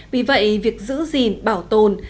vì vậy việc giữ gìn bảo tồn